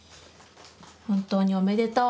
本当におめでとう」。